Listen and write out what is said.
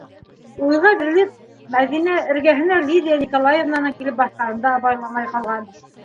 Уйға бирелеп, Мәҙинә эргәһенә Лидия Николаевнаның килеп баҫҡанын да абайламай ҡалған.